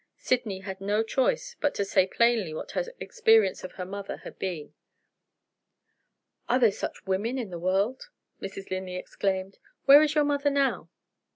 Sydney had no choice but to say plainly what her experience of her mother had been. "Are there such women in the world!" Mrs. Linley exclaimed. "Where is your mother now?"